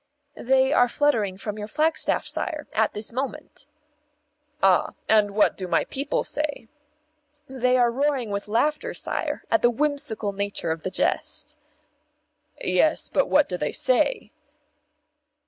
"They are fluttering from your flagstaff, sire, at this moment." "Ah! And what do my people say?" "They are roaring with laughter, sire, at the whimsical nature of the jest." "Yes, but what do they say?"